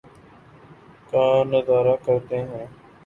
کا نظارہ کرتے ہیں